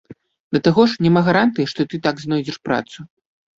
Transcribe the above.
Да таго ж, няма гарантыі, што ты так знойдзеш працу.